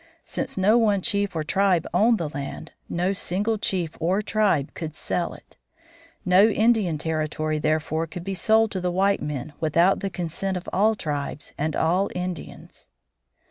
Since no one chief or tribe owned the land, no single chief or tribe could sell it. No Indian territory therefore could be sold to the white men without the consent of all tribes and all Indians.